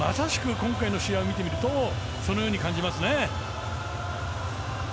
今回の試合を見ているとそのように感じますね。